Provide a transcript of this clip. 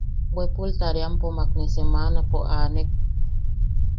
Bwepul tareampo makne semanapo aanek;.